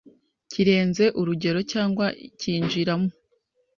kirenze urugero cyangwa cyinjira mo